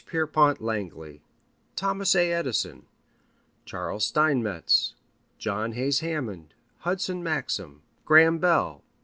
Pierpont Langley, Thomas A. Edison, Charles Steinmetz, John Hays Hammond, Hudson Maxim, Graham Bell.